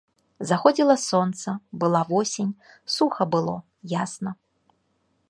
Заходзіла сонца, была восень, суха было, ясна.